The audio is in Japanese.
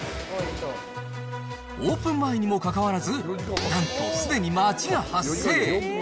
オープン前にもかかわらず、なんとすでに待ちが発生。